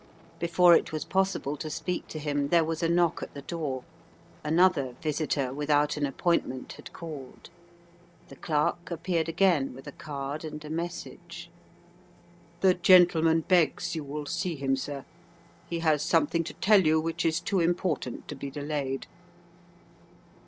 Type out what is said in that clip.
Before it was possible to speak to him there was a knock at the door. Another visitor without an appointment had called; the clerk appeared again with a card and a message. "The gentleman begs you will see him, sir. He has something to tell you which is too important to be delayed."